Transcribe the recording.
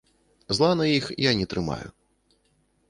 Зла на іх я не трымаю.